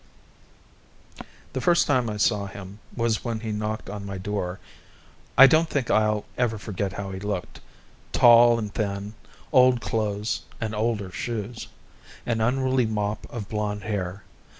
The first time I saw him was when he knocked on my door. I don't think I'll ever forget how he looked tall and thin, old clothes and older shoes, an unruly mop of blond hair.